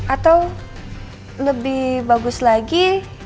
atau lebih bagus lagi